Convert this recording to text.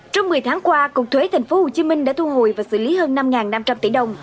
trong một mươi tháng qua cục thuế tp hcm đã thu hồi và xử lý hơn năm năm trăm linh tỷ đồng